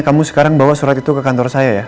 kamu sekarang bawa surat itu ke kantor saya ya